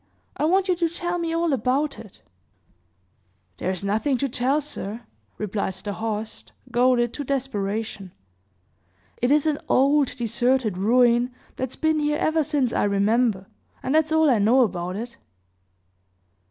I want you to tell me all about it." "There is nothing to tell, sir," replied the host, goaded to desperation. "It is an old, deserted ruin that's been here ever since I remember; and that's all I know about it."